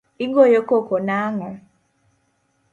Igoyo koko nang'o?